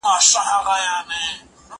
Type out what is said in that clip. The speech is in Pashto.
په ځنګله کي د ځنګله قانون چلېږي